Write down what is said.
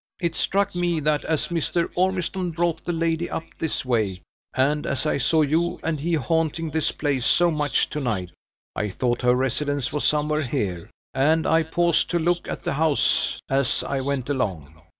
It struck me that, as Mr. Ormiston brought the lady up this way, and as I saw you and he haunting this place so much to night, I thought her residence was somewhere here, and I paused to look at the house as I went along.